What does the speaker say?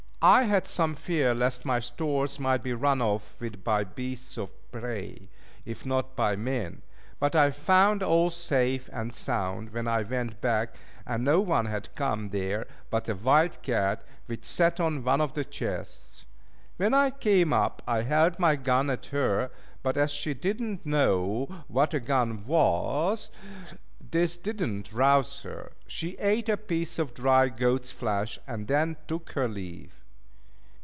I had some fear lest my stores might be run off with by beasts of prey, if not by men; but I found all safe and sound when I went back, and no one had come there but a wild cat, which sat on one of the chests. When I came up I held my gun at her, but as she did not know what a gun was, this did not rouse her. She ate a piece of dry goat's flesh, and then took her leave.